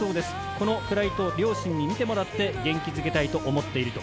このフライトを両親に見てもらって元気付けたいと思っていると。